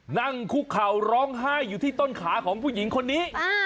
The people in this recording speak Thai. นั่งคุกเข่าร้องไห้อยู่ที่ต้นขาของผู้หญิงคนนี้